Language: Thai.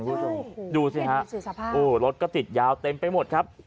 ใช่ดูสิฮะรถก็ติดยาวเต็มไปหมดครับ